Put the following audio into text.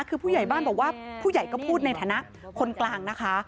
คือผู้ใหญ่บ้านบอกว่าผู้ใหญ่ก็พูดในฐานะคนกลางนะคะ